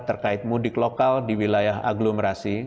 terkait mudik lokal di wilayah aglomerasi